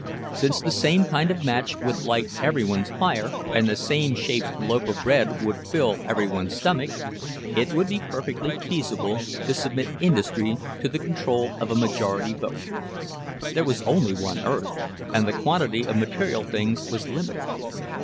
Since the same kind of match would light every one's fire and the same shaped loaf of bread would fill every one's stomach, it would be perfectly feasible to submit industry to the control of a majority vote. There was only one earth, and the quantity of material things was limited.